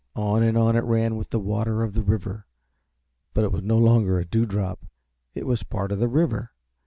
On and on it ran with the water of the river, but it was no longer a Dewdrop; it was a part of the river.